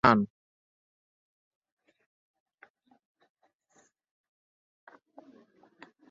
Omugenzi Magezi alese Nnamwandu Gladys Magezi n'abaana bataano